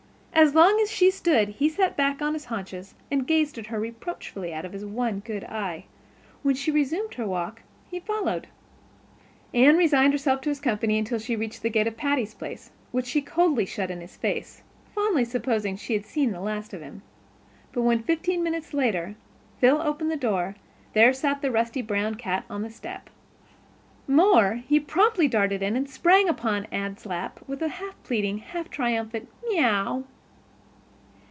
As long as she stood he sat back on his haunches and gazed at her reproachfully out of his one good eye; when she resumed her walk he followed. Anne resigned herself to his company until she reached the gate of Patty's Place, which she coldly shut in his face, fondly supposing she had seen the last of him. But when, fifteen minutes later, Phil opened the door, there sat the rusty brown cat on the step. More, he promptly darted in and sprang upon Anne's lap with a half pleading, half triumphant "miaow."